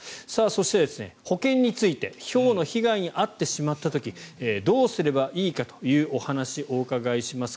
そして、保険についてひょうの被害に遭ってしまった時どうすればいいかというお話をお伺いします。